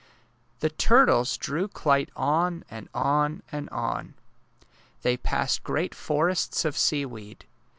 " The turtles drew Clyte on and on and on. They passed great forests of seaweed.